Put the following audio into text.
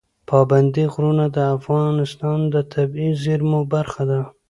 پابندی غرونه د افغانستان د طبیعي زیرمو برخه ده.